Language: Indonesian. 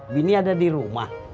bini ada di rumah